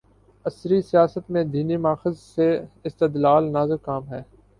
عصری سیاست میں دینی ماخذ سے استدلال‘ نازک کام ہے۔